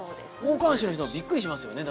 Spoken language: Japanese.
交換手の人はびっくりしますよね。